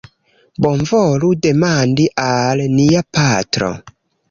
Bonvolu demandi al nia patro